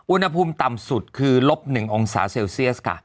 อุณหภูมิต่ำสุดคือลบ๑องศาเซลเซียสค่ะ